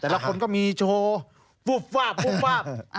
แต่ละคนก็มีโชว์ปุ๊บวาบปุ๊บวาบ